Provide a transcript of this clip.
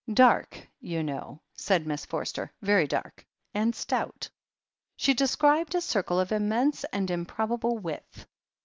"Dark, you know," said Miss Forster. "Very dark — and stout." She described a circle of immense and improbable width.